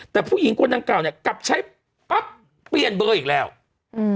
แต่ผู้หญิงคนดังกล่าวเนี้ยกลับใช้ปั๊บเปลี่ยนเบอร์อีกแล้วอืม